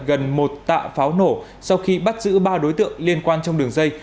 gần một tạ pháo nổ sau khi bắt giữ ba đối tượng liên quan trong đường dây